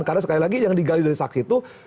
karena sekali lagi yang digali dari saksi itu